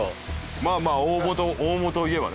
まあまあ大本を言えばね。